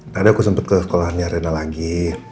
tadi aku sempet ke sekolahnya rena lagi